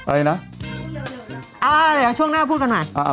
อะไรนะช่วงหน้าพูดกันหน่อยปั๊กเบรค